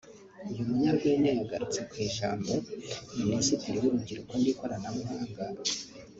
uyu munyarwenya yagarutse ku ijambo Minisitiri w’Urubyiruko n’Ikoranabuhanga